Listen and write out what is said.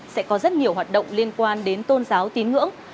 sẽ có rất nhiều hoạt động liên quan đến tôn giáo tín ngưỡng